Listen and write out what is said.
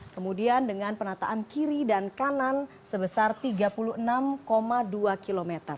kemudian dengan penataan kiri dan kanan sebesar tiga puluh enam dua km